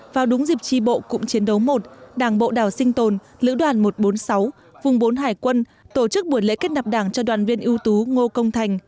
vào đúng dịp tri bộ cụm chiến đấu một đảng bộ đảo sinh tồn lữ đoàn một trăm bốn mươi sáu vùng bốn hải quân tổ chức buổi lễ kết nạp đảng cho đoàn viên ưu tú ngô công thành